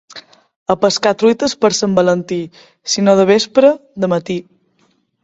A pescar truites per Sant Valentí, si no de vespre, de matí.